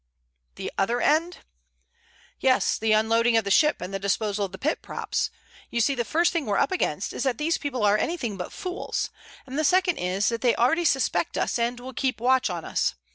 "The other end?" "Yes, the unloading of the ship and the disposal of the pit props. You see, the first thing we're up against is that these people are anything but fools, and the second is that they already suspect us and will keep a watch on us.